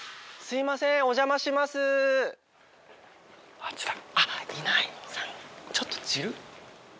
あっちだ。